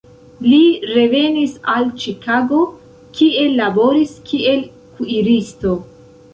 Li revenis al Ĉikago, kie laboris kiel kuiristo.